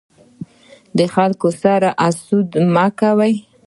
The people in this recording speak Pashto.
د خلکو سره حسد مه کوی.